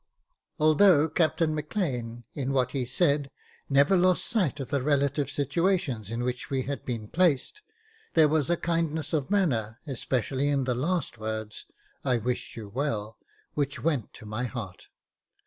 Although Captain Maclean, in what he said, never lost sight of the relative situations in which we had been placed, there was a kindness of manner, especially in the last words, " I wish you well," which went to my heart.